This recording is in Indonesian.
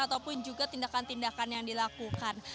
ataupun juga tindakan tindakan yang dilakukan